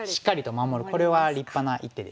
これは立派な一手ですね。